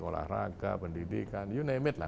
olahraga pendidikan you name it lah